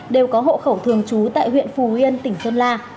đều có hộ khẩu thường trú tại huyện phù yên tỉnh sơn la